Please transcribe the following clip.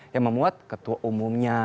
yang memuat ketua umumnya